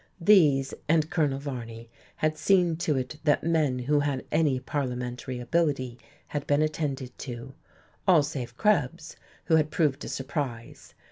These, and Colonel Varney, had seen to it that men who had any parliamentary ability had been attended to; all save Krebs, who had proved a surprise.